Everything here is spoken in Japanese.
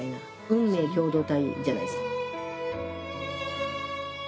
運命共同体じゃないですか。